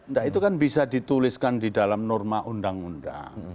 nah itu kan bisa dituliskan di dalam norma undang undang